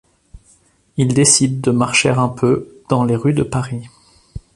Ils décident de marcher un peu dans les rues de Paris.